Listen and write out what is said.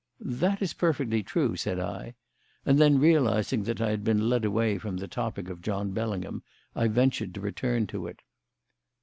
"That is perfectly true," said I. And then, realising that I had been led away from the topic of John Bellingham, I ventured to return to it.